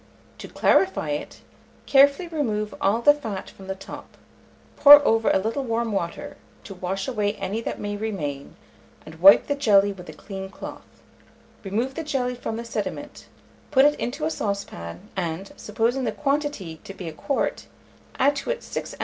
To clarify it, carefully remove all the fat from the top, pour over a little warm water, to wash away any that may remain, and wipe the jelly with a clean cloth; remove the jelly from the sediment, put it into a saucepan, and, supposing the quantity to be a quart, add to it 6 oz.